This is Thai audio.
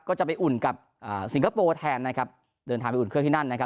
ก็จะไปอุ่นกับสิงคโปร์แทนนะครับเดินทางไปอุ่นเครื่องที่นั่นนะครับ